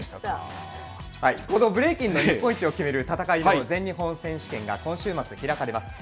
このブレイキンの日本一を決める戦いは、全日本選手権が今週末開かれます。